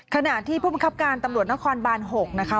ขณะที่ผู้บังคับการตำรวจนครบาน๖นะคะ